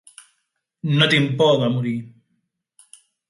No tinc por de morir.